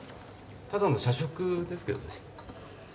ただの社食ですけどね。